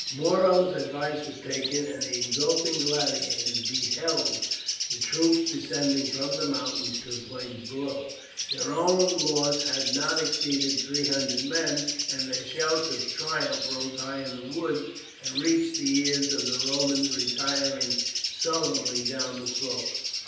Muro's advice was taken, and the exulting gladiators beheld the troops descending from the mountains to the plains below. Their own loss had not exceeded three hundred men, and their shouts of triumph rose high in the woods, and reached the ears of the Romans retiring sullenly down the slopes.